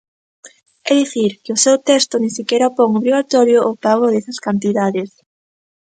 É dicir, que o seu texto nin sequera pon obrigatorio o pago desas cantidades.